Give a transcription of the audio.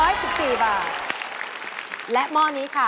อ๋อนี่คือร้านเดียวกันเหรออ๋อนี่คือร้านเดียวกันเหรอ